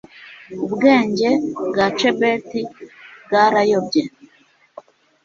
ubwenge bwa chebet bwarayobye